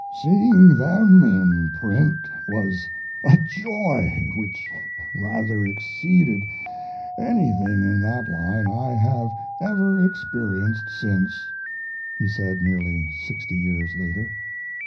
"Seeing them in print was a joy which rather exceeded anything in that line I have ever experienced since," he said, nearly sixty years later.